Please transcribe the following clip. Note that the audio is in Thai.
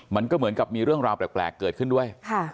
มันก็เหมือนกับมีเรื่องราวแปลกเกิดขึ้นด้วย